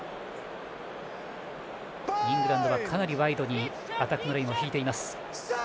イングランドはかなりワイドにアタックラインを引いています。